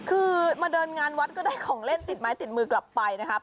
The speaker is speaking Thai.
คือมาเดินงานวัดก็ได้ของเล่นติดไม้ติดมือกลับไปนะครับ